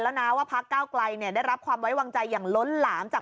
แล้วนะว่าพักเก้าไกลเนี่ยได้รับความไว้วางใจอย่างล้นหลามจาก